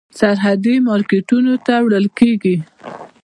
سرحدي مارکېټونو ته وړل کېږي.